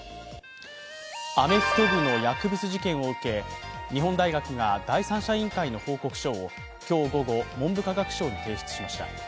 アメフト部の薬物事件を受け、日本大学が第三者委員会の報告書を今日午後、文部科学省に提出しました。